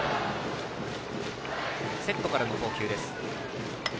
セットからの投球です。